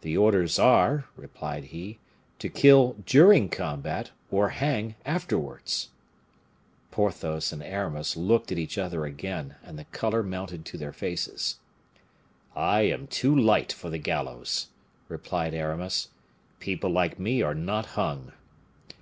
"The orders are," replied he, "to kill during combat, or hang afterwards." Porthos and Aramis looked at each other again, and the color mounted to their faces. "I am too light for the gallows," replied Aramis; "people like me are not hung."